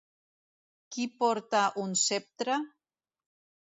Qui porta un ceptre?